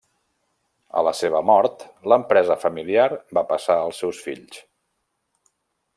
A la seva mort, l'empresa familiar va passar als seus fills.